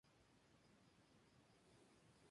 El fármaco ya no se comercializa en Estados Unidos.